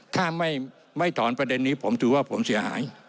ถ้าไม่ถอนประเด็นนี้ผมถือว่าผมเสียหาย